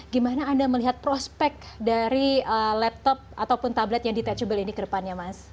gimana anda melihat prospek dari laptop ataupun tablet yang detachable ini ke depannya mas